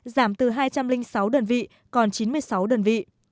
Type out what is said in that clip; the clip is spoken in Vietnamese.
giảm từ hai trăm linh sáu đơn vị còn chín mươi sáu đơn vị